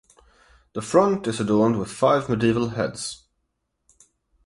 The front is adorned with five medieval heads.